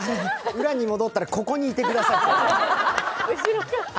裏に戻ったらここにいてくださいと。